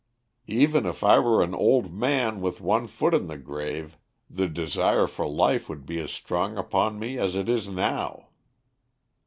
Even if I were an old man with one foot in the grave the desire for life would be as strong upon me as it is now!'